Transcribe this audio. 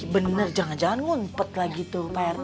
bener jangan jangan ngumpet lagi tuh pak rt